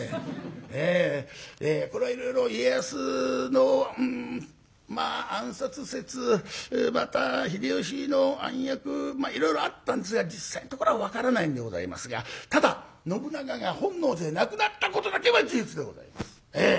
これはいろいろ家康のまあ暗殺説また秀吉の暗躍まあいろいろあったんですが実際のところは分からないんでございますがただ信長が本能寺で亡くなったことだけは事実でございます。